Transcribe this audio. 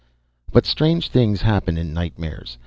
But strange things happen in nightmares.